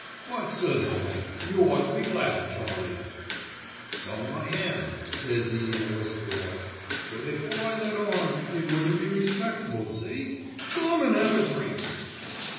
"'But,' ses I, 'you ought to be glad, Charlie.' "'So I am,' says 'e in a whisper like; 'but if I let on, it wouldn't be respectable, see? Come an' 'ave a drink.